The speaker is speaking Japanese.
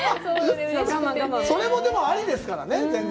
それもでもありですからね。